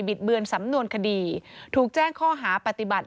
เบือนสำนวนคดีถูกแจ้งข้อหาปฏิบัติ